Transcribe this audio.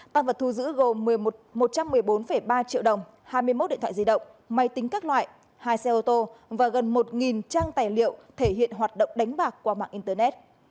tăng vật thu giữ gồm một trăm một mươi bốn ba triệu đồng hai mươi một điện thoại di động máy tính các loại hai xe ô tô và gần một trang tài liệu thể hiện hoạt động đánh bạc qua mạng internet